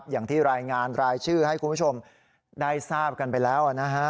อย่างที่รายงานรายชื่อให้คุณผู้ชมได้ทราบกันไปแล้ว